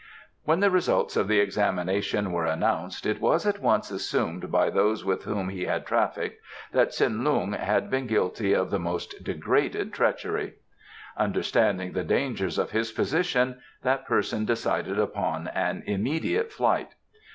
When the results of the examination were announced it was at once assumed by those with whom he had trafficked that Tsin Lung had been guilty of the most degraded treachery. Understanding the dangers of his position, that person decided upon an immediate flight.